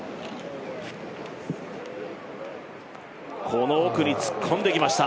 この奥に突っ込んできました。